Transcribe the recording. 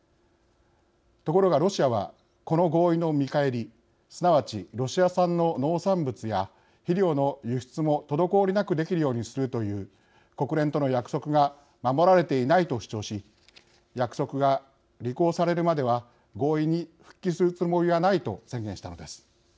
ところがロシアはこの合意の見返りすなわちロシア産の農産物や肥料の輸出も滞りなくできるようにするという国連との約束が守られていないと主張し約束が履行されるまでは合意に復帰するつもりはないと宣言したのです。